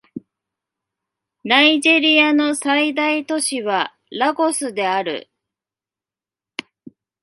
ナイジェリアの最大都市はラゴスである